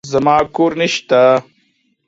زما کور نشته.